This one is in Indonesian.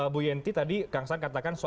bu yenty tadi kang saan katakan